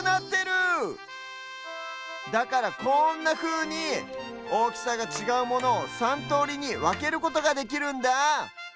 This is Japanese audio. だからこんなふうにおおきさがちがうものを３とおりにわけることができるんだ！